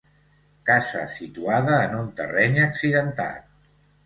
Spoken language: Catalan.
Casa situada en un terreny accidentat.